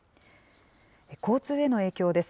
交通への影響です。